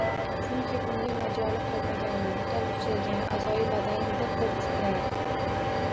Chunki bunga majoli qolmagandi, yoʻtal kuchaygan, aʼzoyi badani dir-dir titrardi